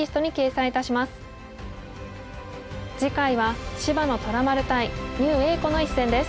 次回は芝野虎丸対牛栄子の一戦です。